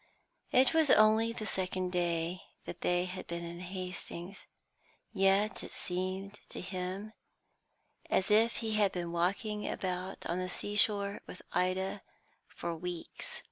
It was only the second day that they had been in Hastings, yet it seemed to him as if he had been walking about on the seashore with Ida for weeks.